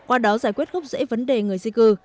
qua đó giải quyết gốc rễ vấn đề người di cư